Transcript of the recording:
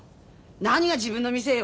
何が自分の店よ。